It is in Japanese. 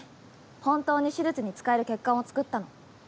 本当に手術に使える血管を作ったの。